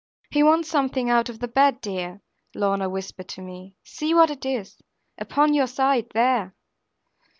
'He wants something out of the bed, dear,' Lorna whispered to me; 'see what it is, upon your side, there.'